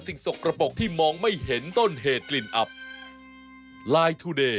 ช่วงนี้พี่เวียงมีแต่คนนี้ไปตามอะไรอย่างนี้